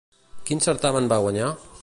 Quin certamen va guanyar?